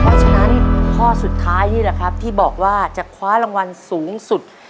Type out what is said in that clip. เพราะฉะนั้นข้อสุดท้ายนี่แหละครับที่บอกว่าจะคว้ารางวัลสูงสุด